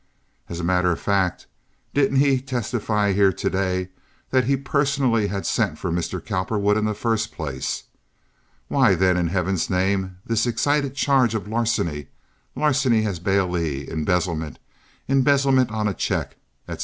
As a matter of fact didn't he testify here to day that he personally had sent for Mr. Cowperwood in the first place? Why, then, in Heaven's name, this excited charge of larceny, larceny as bailee, embezzlement, embezzlement on a check, etc.